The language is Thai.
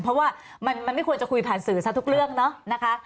เพราะว่ามันไม่ควรจะคุยผ่านสื่อซะทุกเรื่องเนอะนะคะ